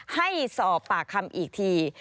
ให้สอบปากคำอีกที